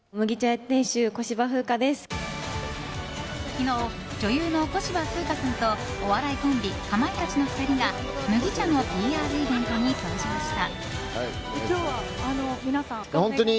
昨日、女優の小芝風花さんとお笑いコンビかまいたちの２人が麦茶のＰＲイベントに登場した。